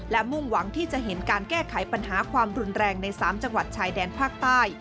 และมุ่งหวังที่จะเห็นการแก้ไขปัญหาความรุนแรงใน๓จังหวัดชายแดนภาคใต้